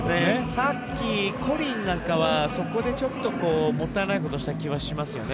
さっき、コリンなんかはそこでちょっともったいないことをした気はしますよね。